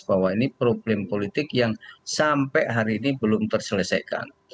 bahwa ini problem politik yang sampai hari ini belum terselesaikan